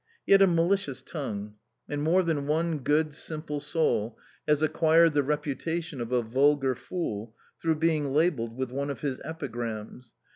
He had a malicious tongue; and more than one good, simple soul has acquired the reputation of a vulgar fool through being labelled with one of his epigrams.